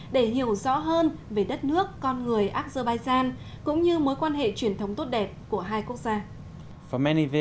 để hiểu rõ hơn về đất nước con người afghazan cũng như mối quan hệ truyền thống tốt đẹp của hai quốc gia